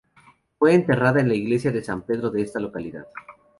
Fue enterrada en la iglesia de San Pedro de esta localidad.